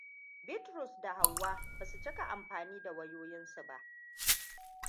Bitrus da Hauwa basu cika amfani da wayoyinsu ba.